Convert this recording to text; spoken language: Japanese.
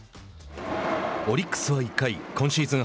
オリックスは１回今シーズン